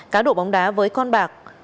cá độ bóng đá với con bạc